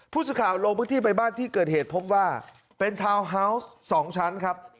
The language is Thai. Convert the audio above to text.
พูดสุข่าวโรงพิธีใบบ้านที่เกิดเหตุพบว่าเป็นทาวน์ฮาวส์๒ชั้นครับ